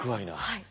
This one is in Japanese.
はい。